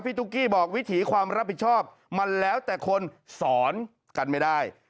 ตุ๊กกี้บอกวิถีความรับผิดชอบมันแล้วแต่คนสอนกันไม่ได้